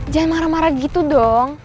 jangan marah marah gitu dong